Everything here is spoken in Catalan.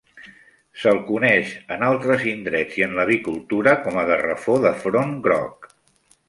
Se'l coneix en altres indrets i en l'avicultura com a garrafó de front groc.